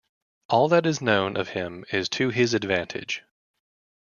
All that is known of him is to his advantage.